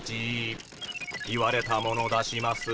言われたもの出します。